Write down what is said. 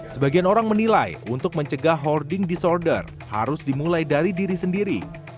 sebagian orang menilai untuk mencegah hoarding disorder harus dimulai dari diri sendiri